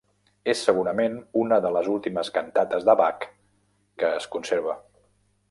És, segurament, una de les últimes cantates de Bach que es conserva.